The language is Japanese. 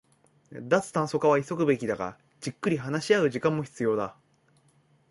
脱炭素化は急ぐべきだが、じっくり話し合う時間も必要だ